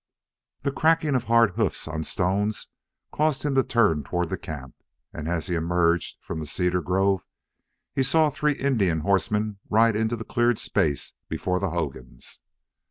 The cracking of hard hoofs on stones caused him to turn toward camp, and as he emerged from the cedar grove he saw three Indian horsemen ride into the cleared space before the hogans.